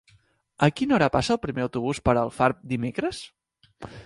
A quina hora passa el primer autobús per Alfarb dimecres?